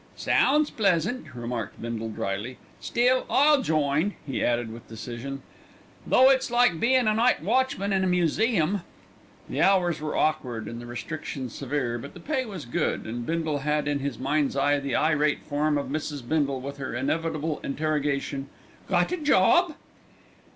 "Sounds pleasant," remarked Bindle drily; "still, I'll join," he added with decision, "though it's like bein' a night watchman in a museum." The hours were awkward and the restrictions severe, but the pay was good, and Bindle had in his mind's eye the irate form of Mrs. Bindle with her inevitable interrogation, "Got a job?"